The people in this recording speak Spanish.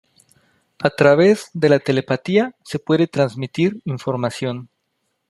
a través de la telepatía se puede transmitir información